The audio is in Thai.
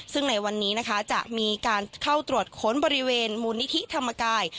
ซึ่งในวันนี้นะคะจะมีการเข้าตรวจค้นบริเวณมูลนิธิธรรมกาย